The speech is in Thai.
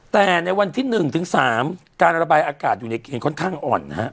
แต่ในวันที่๑ถึง๓การระบายอากาศอยู่ในเกณฑ์ค่อนข้างอ่อนนะฮะ